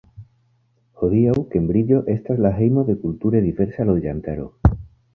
Hodiaŭ, Kembriĝo estas la hejmo de kulture diversa loĝantaro.